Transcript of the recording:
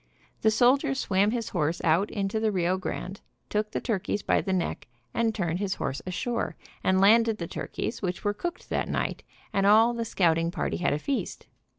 The soldier swam his horse out into the Rio Grande, took the turkeys by the neck and turned his horse ashore, and landed the turkeys, which were cooked that night, and all the scouting party had a feast.